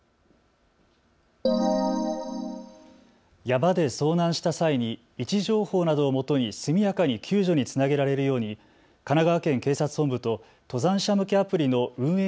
山で遭難した際に位置情報などをもとに速やかに救助につなげられるように神奈川県警察本部と登山者向けアプリの運営